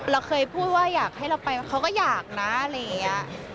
เราเคยพูดว่าอยากให้เราไปเขาก็อยากนะอะไรอย่างนี้